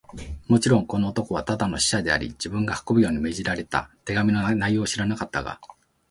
もちろん、この男はただの使者であり、自分が運ぶように命じられた手紙の内容を知らなかったが、